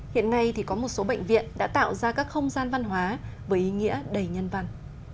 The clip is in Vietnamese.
hiện nay thì có một số bệnh viện đã tạo ra các không gian văn hóa với ý nghĩa đầy nhân văn